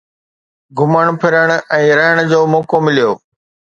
گهمڻ ڦرڻ ۽ رهڻ جو موقعو مليو